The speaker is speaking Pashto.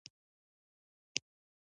د هر شي لپاره زوال شته،